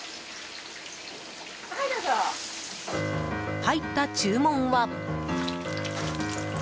入った注文は。